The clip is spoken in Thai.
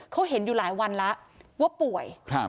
เขาเห็นอยู่หลายวันแล้วว่าป่วย